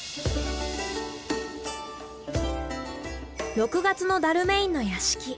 ６月のダルメインの屋敷。